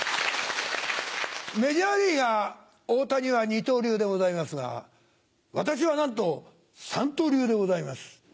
メジャーリーガー大谷は二刀流でございますが私はなんと三刀流でございます。